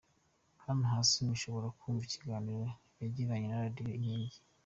Hano hasi mushobora kumva ikiganiro yagiranye na Radio Inkingi.